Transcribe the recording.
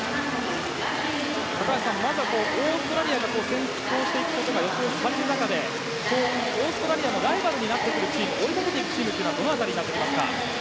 高橋さん、まずはオーストラリアが先行していくことが予想される中でオーストラリアのライバルになるチーム追いかけていくチームはどの辺りになってきますか？